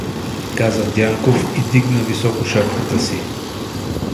— каза Дянков и дигна високо шапката си.